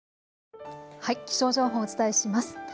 気象情報をお伝えします。